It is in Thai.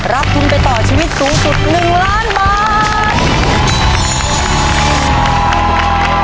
รับทุนไปต่อชีวิตสูงสุด๑ล้านบาท